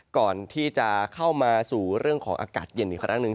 ก่อนที่จะเข้ามาสู่เรื่องของอากาศเย็นอีกครั้งหนึ่ง